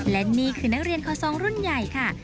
และนี่คือนักเรียนคอซองรุ่นใหญ่ค่ะ